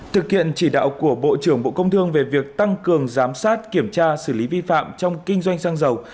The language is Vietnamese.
thực hiện chỉ đạo của bộ trưởng bộ công thương về việc tăng cường giám sát kiểm tra xử lý vi phạm trong kinh doanh xăng dầu